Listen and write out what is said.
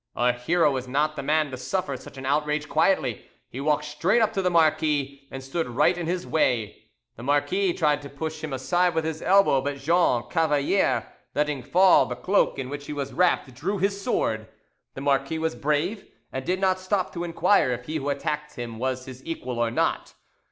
Our hero was not the man to suffer such an outrage quietly. He walked straight up to the marquis and stood right in his way. The marquis tried to push him aside with his elbow, but Jean Cavalier, letting fall the cloak in which he was wrapped, drew his sword. The marquis was brave, and did not stop to inquire if he who attacked him was his equal or not.